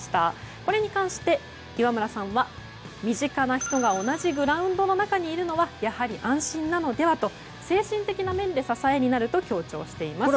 これに関して岩村さんは身近な人が同じグラウンドにいるのはやはり安心なのではと精神的な面で支えになると強調しています。